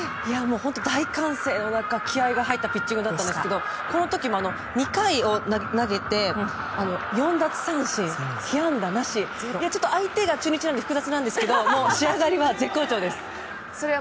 本当に大歓声の中気合の入ったピッチングでしたがこの時も２回を投げて４奪三振被安打なしで相手が中日なんで複雑ですが仕上がりは絶好調です。